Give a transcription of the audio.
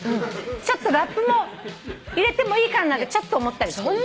ちょっとラップも入れてもいいかななんてちょっと思ったりしてるの。